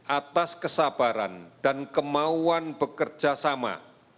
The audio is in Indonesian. atas kesabaran dan kemauan bekerja sama